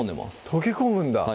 溶け込むんだ